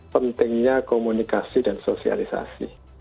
pentingnya komunikasi dan sosialisasi